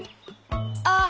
あっ！